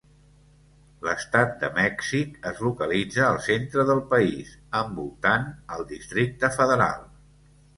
L'estat de Mèxic es localitza al centre del país, envoltant al Districte Federal.